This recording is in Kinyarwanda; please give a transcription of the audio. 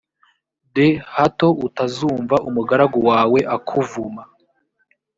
d hato utazumva umugaragu wawe akuvuma